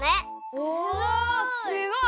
おすごい！